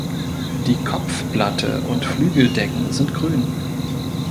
Die Kopfplatte und Flügeldecken sind grün.